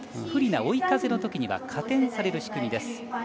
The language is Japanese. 不利な追い風のときには加点される仕組みです。